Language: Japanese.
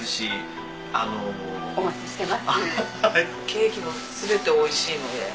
ケーキも全て美味しいので。